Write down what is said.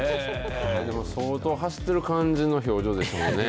でも、相当走ってる感じの表情でしたよね。